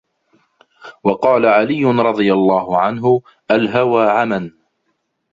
وَقَالَ عَلِيٌّ رَضِيَ اللَّهُ عَنْهُ الْهَوَى عَمًى